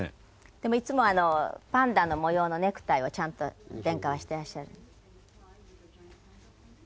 でもいつもパンダの模様のネクタイをちゃんと殿下はしてらっしゃる。